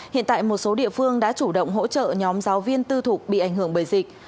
hiện tại một số địa phương đã chủ động hỗ trợ nhóm giáo viên tư thục bị ảnh hưởng bởi dịch